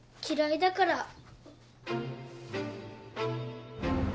嫌いだから。